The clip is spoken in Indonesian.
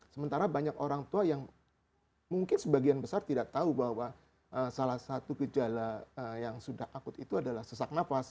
sementara banyak orang tua yang mungkin sebagian besar tidak tahu bahwa salah satu gejala yang sudah akut itu adalah sesak nafas